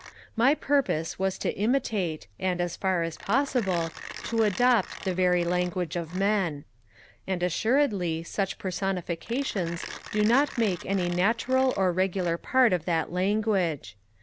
My purpose was to imitate, and, as far as possible, to adopt the very language of men; and assuredly such personifications do not make any natural or regular part of that language.